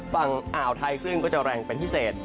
ฝั่งอ่าวไทยคลื่นก็จะแรงเป็นพิเศษ